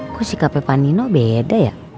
aku sikapnya pandino beda ya